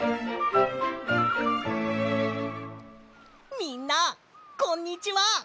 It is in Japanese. みんなこんにちは！